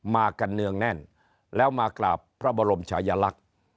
มากันเนืองแน่นแล้วมากราบพระบรมชายลักษณ์